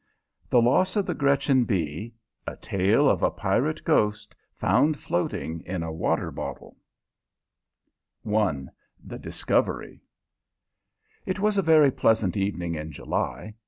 The Loss of the "Gretchen B." A TALE OF A PIRATE GHOST, FOUND FLOATING IN A WATER BOTTLE. I THE DISCOVERY [Illustration: Decorative I] t was a very pleasant evening in July.